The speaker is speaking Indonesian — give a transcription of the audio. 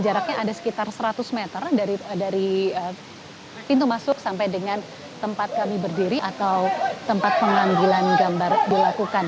jaraknya ada sekitar seratus meter dari pintu masuk sampai dengan tempat kami berdiri atau tempat pengambilan gambar dilakukan